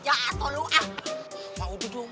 jangan banteng terus kayak gitu loh